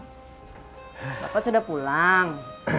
bapak sudah pulang